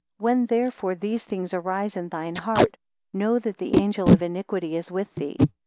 14 When therefore these things arise in thine heart, know that the angel of iniquity is with thee.